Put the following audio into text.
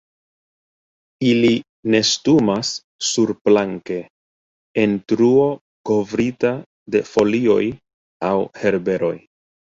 Ili nestumas surplanke, en truo kovrita de folioj aŭ herberoj.